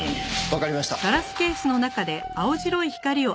わかりました。